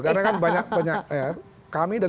karena kan banyak kami